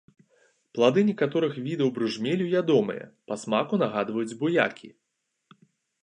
Плады некаторых відаў бружмелю ядомыя, па смаку нагадваюць буякі.